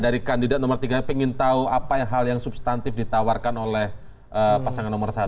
dari kandidat nomor tiga pengen tahu apa hal yang substantif ditawarkan oleh pasangan nomor satu